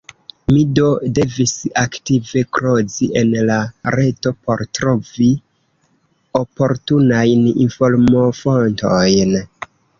Mi do devis aktive krozi en la reto por trovi oportunajn informofontojn.